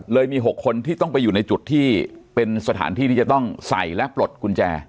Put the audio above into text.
มี๖คนที่ต้องไปอยู่ในจุดที่เป็นสถานที่ที่จะต้องใส่และปลดกุญแจ